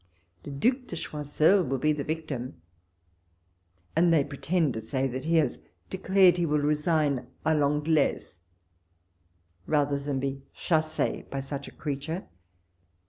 The Due de Choiseul will be the victim ; and they pre tend to say that he has declared he will resign a rA7\{jhiisr, rather than be c/io.s.S'' by such a crea ture.